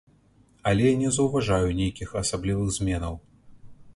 Але я не заўважаю нейкіх асаблівых зменаў.